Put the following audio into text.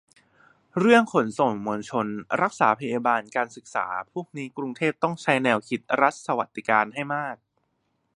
เรื่อง ขนส่งมวลชน รักษาพยาบาล การศึกษา พวกนี้ กรุงเทพต้องใช้แนวคิด รัฐสวัสดิการ ให้มาก